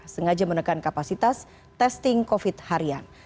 sengaja menekan kapasitas testing covid harian